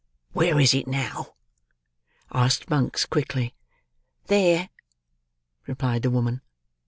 "Where is it now?" asked Monks quickly. "There," replied the woman.